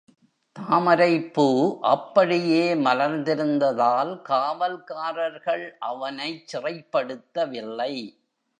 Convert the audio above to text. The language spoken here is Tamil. தாமரைப்பூ அப்படியே மலர்ந்திருந்ததால் காவல்காரர்கள் அவனைச் சிறைப்படுத்தவில்லை.